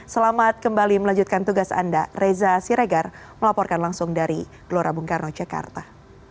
selamat kembali melanjutkan tugas anda reza siregar melaporkan langsung dari gelora bung karno jakarta